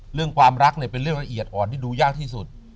เรื่องความรักเนี่ยเป็นเรื่องละเอียดอ่อนที่ดูยากที่สุด